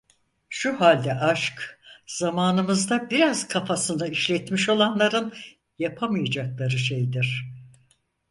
Şu halde aşk, zamanımızda biraz kafasını işletmiş olanların yapamayacakları şeydir…